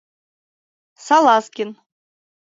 — Салазкин.